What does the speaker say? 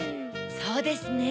そうですね。